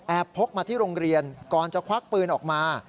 พกมาที่โรงเรียนก่อนจะควักปืนออกมา